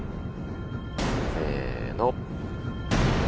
せの。